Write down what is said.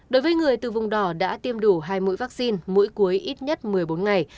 đối với người từ vùng đỏ đã tiêm đủ hai mũi vaccine mỗi cuối ít nhất một mươi bốn ngày